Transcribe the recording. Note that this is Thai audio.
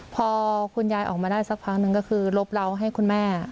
พอคุณยายออกมาได้สักพักหนึ่งก็คือลบเราให้คุณแม่